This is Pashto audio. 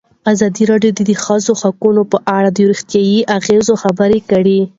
ازادي راډیو د د ښځو حقونه په اړه د روغتیایي اغېزو خبره کړې.